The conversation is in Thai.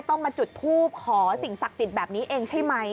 ต้องมาจุดทูปขอสิ่งศักดิ์สิทธิ์แบบนี้เองใช่ไหม